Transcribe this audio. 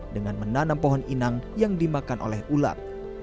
dengan menanam pohon inang yang dimakan oleh ulat